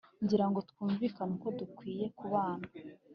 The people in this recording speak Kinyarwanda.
ngira ngo twumvikane uko dukwiye kubana,